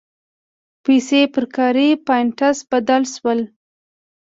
پیسې پر کاري پاینټس بدل شول.